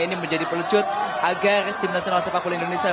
ini menjadi pelucut agar timnas sepak bola indonesia